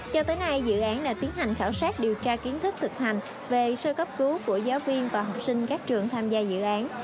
cho tới nay dự án đã tiến hành khảo sát điều tra kiến thức thực hành về sơ cấp cứu của giáo viên và học sinh các trường tham gia dự án